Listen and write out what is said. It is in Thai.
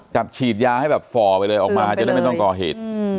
จับฉีดยาให้แบบฝ่อไปเลยออกมาจะได้ไม่ต้องก่อเหตุ